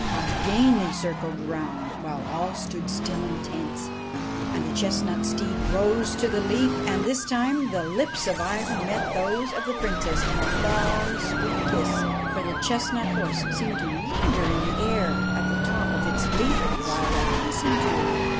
Again they circled round while all stood still and tense. Again the chestnut steed rose to the leap, and, this time, the lips of Ivan met those of the Princess in a long sweet kiss, for the chestnut horse seemed to linger in the air at the top of its leap while that kiss endured.